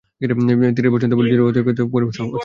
তীরের বর্ষণ যেমনি ছিল অতর্কিত তেমনি পরিমাণেও ছিল অসংখ্য।